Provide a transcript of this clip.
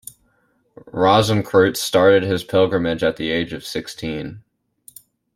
Rosenkreuz started his pilgrimage at the age of sixteen.